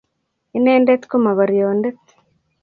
inendet ko mokorionde